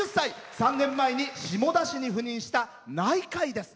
３年前に下田市に赴任した内科医です。